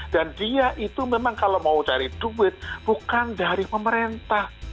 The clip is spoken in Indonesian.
dia itu memang kalau mau cari duit bukan dari pemerintah